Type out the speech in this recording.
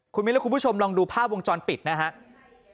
คุณมิ้นและคุณผู้ชมลองดูภาพวงจรปิดนะครับ